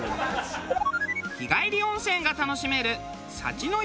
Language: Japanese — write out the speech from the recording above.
日帰り温泉が楽しめる